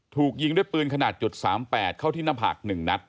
ถูกยิงด้วยปืนขนาด๓๘เข้าที่หน้าผาก๑นัด